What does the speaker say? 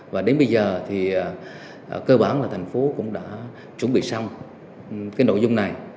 và đến bây giờ thì cơ bản là thành phố cũng đã chuẩn bị xong cái nội dung này